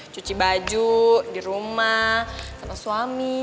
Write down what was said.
cuci baju di rumah sama suami